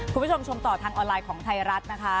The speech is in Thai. คุณผู้ชมชมต่อทางออนไลน์ของไทยรัฐนะคะ